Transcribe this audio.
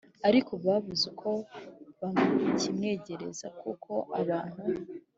ariko babuze uko bakimwegereza kuko abantu